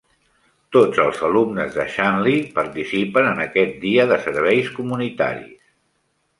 Tots els alumnes de Shanley participen en aquest dia de serveis comunitaris.